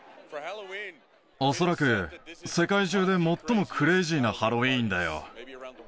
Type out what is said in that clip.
恐らく世界中で最もクレイジーなハロウィーンだよ。